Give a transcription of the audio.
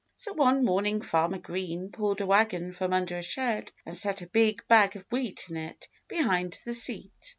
So one morning Farmer Green pulled a wagon from under a shed and set a big bag of wheat in it, behind the seat.